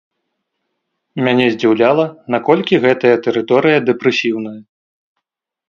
Мяне здзіўляла, наколькі гэтая тэрыторыя дэпрэсіўная.